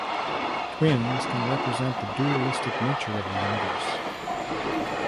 Twins can represent the dualistic nature of the universe.